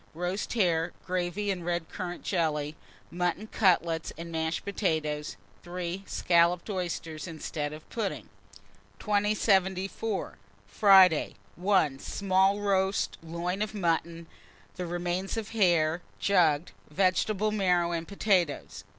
Roast hare, gravy, and red currant jelly; mutton cutlets and mashed potatoes. 3. Scalloped oysters, instead of pudding. 2074. Friday. 1. Small roast loin of mutton; the remains of hare, jugged; vegetable marrow and potatoes.